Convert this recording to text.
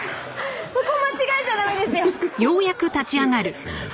そこ間違えちゃダメですよフフフフッ